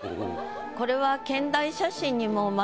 これは。